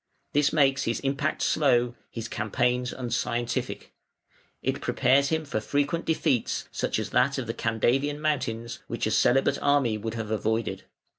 This makes his impact slow, his campaigns unscientific. It prepares for him frequent defeats, such as that of the Candavian mountains, which a celibate army would have avoided.